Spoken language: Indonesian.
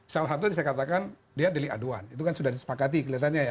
salah satunya saya katakan dia delik aduan itu kan sudah disepakati kelihatannya ya